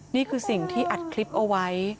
นี่คือสิ่งที่อัดคลิปเอาไว้